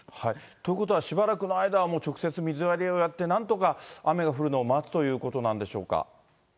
ということはしばらくの間は、直接、水やりをやって、雨の降るのを待つということなんでしょうか。